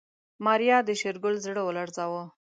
ماريا د شېرګل زړه ولړزاوه.